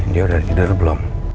dia udah tidur belum